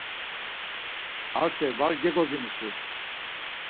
Arte var gegodzini si?